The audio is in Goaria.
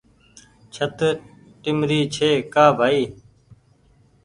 ڇت ٽيمرِي ڇي ڪا بهائي